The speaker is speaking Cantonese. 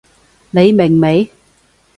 你明未？